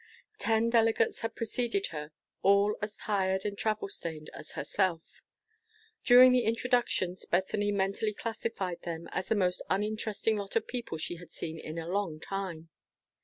Ten delegates had preceded her, all as tired and travel stained as herself. During the introductions, Bethany mentally classified them as the most uninteresting lot of people she had seen in a long time.